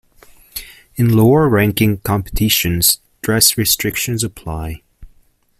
In lower ranking competitions dress restrictions apply.